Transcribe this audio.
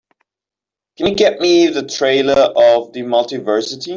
can you get me the trailer of The Multiversity?